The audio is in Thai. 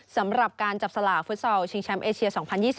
สำหรับการจับสลากฟุตซอลชิงแชมป์เอเชีย๒๐๒๐